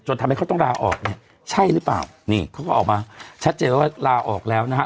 ทำให้เขาต้องลาออกเนี่ยใช่หรือเปล่านี่เขาก็ออกมาชัดเจนว่าลาออกแล้วนะฮะ